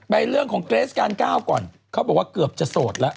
เรื่องของเกรสการ๙ก่อนเขาบอกว่าเกือบจะโสดแล้ว